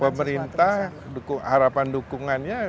pemerintah harapan dukungannya